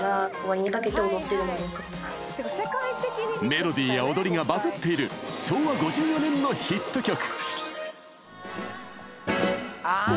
メロディーや踊りがバズっている昭和５４年のヒット曲